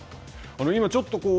今、ちょっとこう